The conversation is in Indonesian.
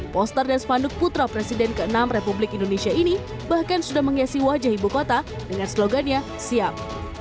poster dan spanduk putra presiden ke enam republik indonesia ini bahkan sudah menghiasi wajah ibu kota dengan slogannya siap